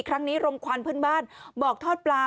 ครั้งนี้ลมควันเพื่อนบ้านบอกทอดปลา